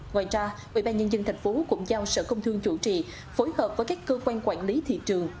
ngoài ra ủy ban nhân dân tp hcm cũng giao sở công thương chủ trì phối hợp với các cơ quan quản lý thị trường